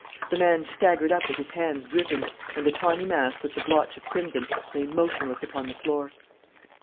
The man staggered up with his hands dripping, and the tawny mass with the blotch of crimson lay motionless upon the floor.